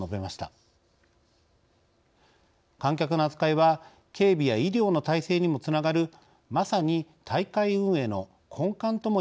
観客の扱いは警備や医療の体制にもつながるまさに大会運営の根幹とも言える課題です。